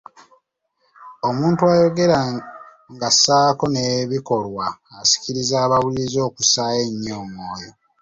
Omuntu ayogera ng'assaako n'ebikolwa asikiriza abawuliriza okussaayo ennyo omwoyo.